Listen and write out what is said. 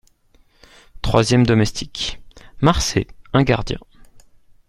Troisième Domestique : Marsay Un Gardien .